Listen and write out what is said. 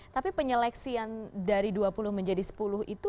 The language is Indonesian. tapi penyeleksian dari dua puluh menjadi sepuluh itu